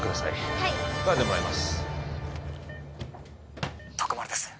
はいガーゼもらいます徳丸です